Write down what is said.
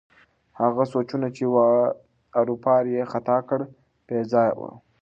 هغه سوچونه چې واروپار یې ختا کړ، بې ځایه وو.